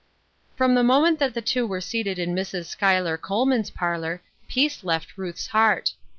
From the moment that the two were seated in Mrs. Schuyler Colman's parlor peace left Ruth's heart.